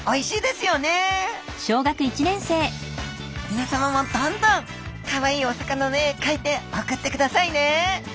みなさまもどんどんかわいいお魚の絵かいて送ってくださいね。